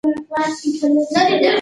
خوشحاله او آباد اوسئ.